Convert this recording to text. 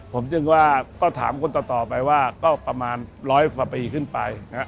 ผมจึงว่าก็ถามคนต่อไปว่าก็ประมาณร้อยกว่าปีขึ้นไปนะฮะ